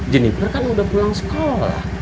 jenniper kan udah pulang sekolah